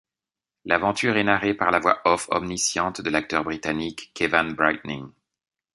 L'aventure est narrée par la voix off omnisciente de l'acteur britannique Kevan Brighting.